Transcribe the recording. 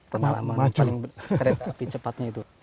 pengalaman paling cepatnya itu